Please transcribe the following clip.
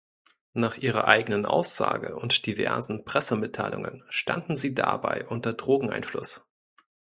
Nach ihrer eigenen Aussage und diversen Pressemitteilungen standen sie dabei unter Drogeneinfluss.